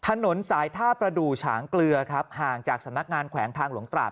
ถนนสายท่าประดูฉางเกลือครับห่างจากสำนักงานแขวงทางหลวงตราด